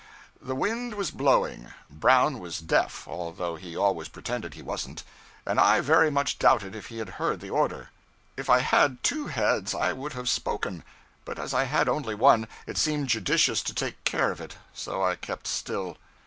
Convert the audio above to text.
The wind was blowing; Brown was deaf (although he always pretended he wasn't), and I very much doubted if he had heard the order. If I had two heads, I would have spoken; but as I had only one, it seemed judicious to take care of it; so I kept still.